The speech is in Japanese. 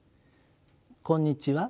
こんにちは。